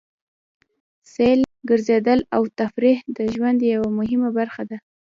سیل، ګرځېدل او تفرېح د ژوند یوه مهمه برخه ده.